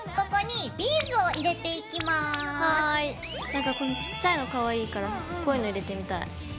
なんかこのちっちゃいのかわいいからこういうの入れてみたい。